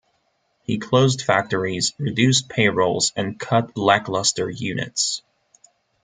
He closed factories, reduced pay rolls and cut lackluster units.